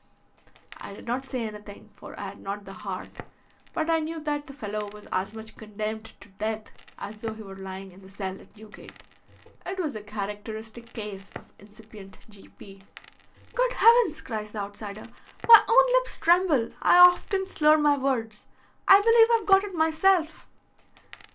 I did not say anything, for I had not the heart, but I knew that the fellow was as much condemned to death as though he were lying in the cell at Newgate. It was a characteristic case of incipient G. P." "Good heavens!" cries the outsider. "My own lips tremble. I often slur my words. I believe I've got it myself."